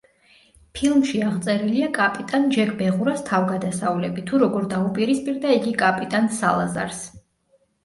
ფილმში აღწერილია კაპიტან ჯეკ ბეღურას თავგადასავლები, თუ როგორ დაუპირისპირდა იგი კაპიტან სალაზარს.